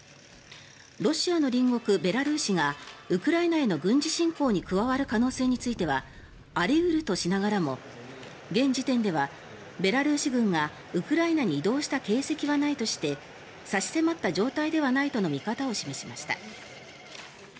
ロシアの隣国、ベラルーシがウクライナへの軍事侵攻に加わる可能性についてはあり得るとしながらも現時点ではベラルーシ軍がウクライナに移動した形跡はないとして差し迫った状態ではないとの見方を示しました。